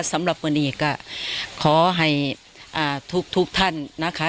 สำหรับวันนี้ก็ขอให้ทุกท่านนะคะ